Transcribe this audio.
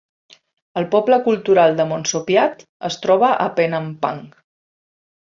El poble cultural de Monsopiad es troba a Penampang.